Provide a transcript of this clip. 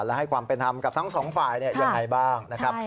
และให้ความเป็นธรรมกับทั้งสองฝ่ายยังไงบ้างนะครับ